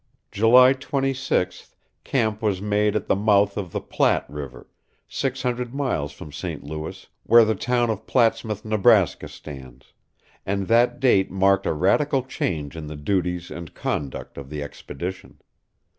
July 26th camp was made at the mouth of the Platte River, six hundred miles from St. Louis, where the town of Plattsmouth, Neb., stands; and that date marked a radical change in the duties and conduct of the expedition.